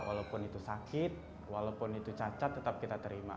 walaupun itu sakit walaupun itu cacat tetap kita terima